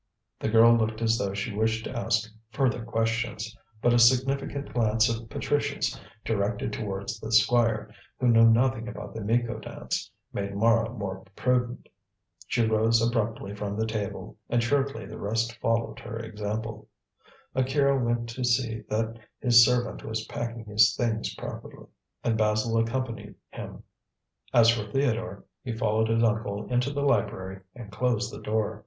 The girl looked as though she wished to ask further questions, but a significant glance of Patricia's directed towards the Squire, who knew nothing about the Miko Dance, made Mara more prudent. She rose abruptly from the table, and shortly the rest followed her example. Akira went to see that his servant was packing his things properly, and Basil accompanied him. As for Theodore, he followed his uncle into the library and closed the door.